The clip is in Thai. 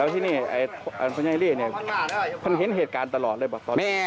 ที่นี่แยลลี่